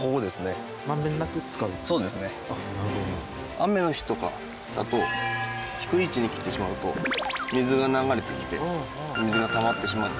雨の日とかだと低い位置に切ってしまうと水が流れてきて水がたまってしまう。